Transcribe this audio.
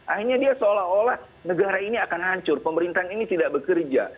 akhirnya dia seolah olah negara ini akan hancur pemerintahan ini tidak bekerja